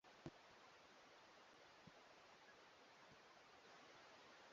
Kila mtu hupaswa kumalizia hasira zake wakati wa mchezo huo na si baada